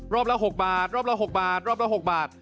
ละ๖บาทรอบละ๖บาทรอบละ๖บาท